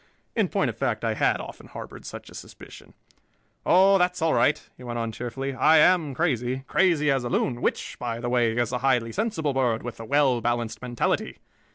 In point of fact, I had often harbored such a suspicion. "Oh, that's all right," he went on cheerfully. "I am crazy, crazy as a loon, which, by the way, is a highly sensible bird with a well balanced mentality.